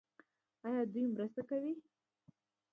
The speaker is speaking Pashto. آیا دوی مرسته کوي؟